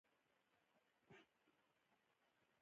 په افغانستان کې د قومونه بېلابېلې او ډېرې ګټورې منابع شته.